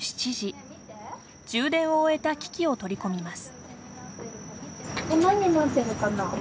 充電を終えた機器を取り込みます。